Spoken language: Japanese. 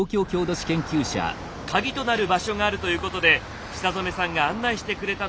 カギとなる場所があるということで久染さんが案内してくれたのは銀座の辺り。